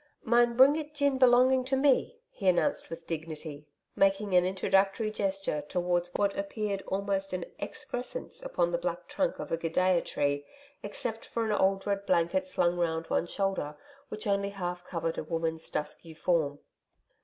'Mine bring it gin belonging to me,' he announced with dignity, making an introductory gesture towards what appeared almost an excresence upon the black trunk of a gidia tree except for an old red blanket slung round one shoulder, which only half covered a woman's dusky form.